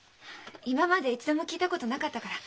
今まで一度も聞いたことなかったから。